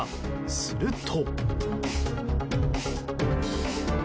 すると。